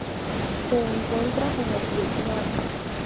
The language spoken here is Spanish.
Se encuentra en el Vietnam.